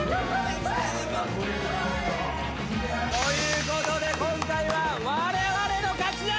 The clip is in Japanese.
ということで今回はわれわれの勝ちだ！